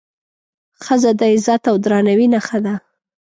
ښځه د عزت او درناوي نښه ده.